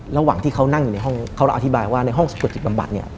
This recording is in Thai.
ระหว่างที่เขานั่งอยู่ในห้องเขาเราอธิบายว่าในห้องสะกดจิตบำบัดเนี่ย